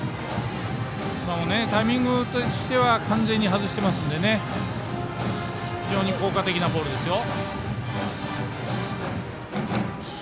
今もタイミングとしては完全に外してますので非常に効果的なボールですよ。